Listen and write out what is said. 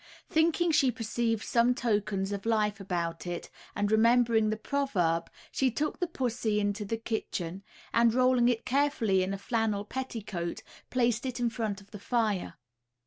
Thinking she perceived some tokens of life about it, and remembering the proverb, she took the pussy into the kitchen, and rolling it carefully in a flannel petticoat, placed it in front of the fire.